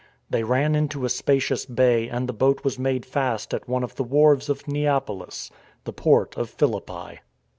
They ran into a spacious bay and the boat was made fast at one of the wharves of Neapolis, the port of Philippi.